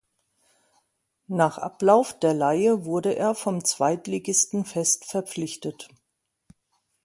Nach Ablauf der Leihe wurde er vom Zweitligisten fest verpflichtet.